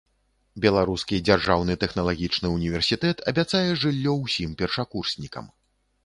Беларускі дзяржаўны тэхналагічны ўніверсітэт абяцае жыллё ўсім першакурснікам.